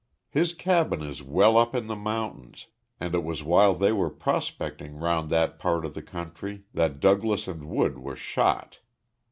His cabin is well up in the mountains and it was while they were prospecting round that part of the country that Douglas and Wood were shot.